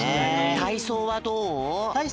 たいそうはどう？